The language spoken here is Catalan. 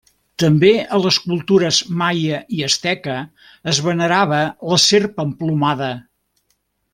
També a les cultures maia i asteca es venerava la serp emplomada.